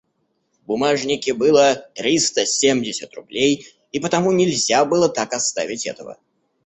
В бумажнике было триста семьдесят рублей, и потому нельзя было так оставить этого.